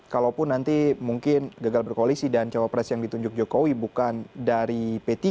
kalaupun nanti mungkin gagal berkoalisi dan cawapres yang ditunjuk jokowi bukan dari p tiga